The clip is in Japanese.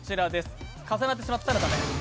重なってしまったら駄目。